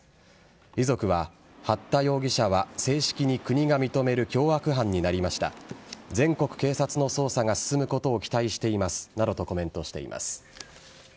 遺族は八田容疑者は正式に国が認める凶悪犯になりました全国警察の捜査が進むことを期待していますなどとコメントしています。